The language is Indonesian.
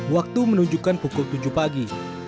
waktu menunjukkan pukul tujuh pagi